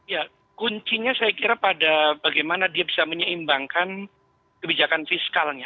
ya kuncinya saya kira pada bagaimana dia bisa menyeimbangkan kebijakan fiskalnya